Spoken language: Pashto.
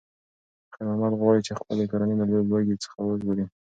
خیر محمد غواړي چې خپله کورنۍ له لوږې څخه وژغوري.